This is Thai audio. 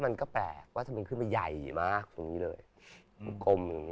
มันก็แปลกทำไมขึ้นไปใหญ่มาก